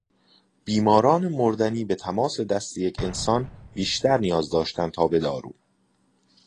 بیماران مردنی به تماس دست یک انسان بیشتر نیاز داشتند تا به دارو.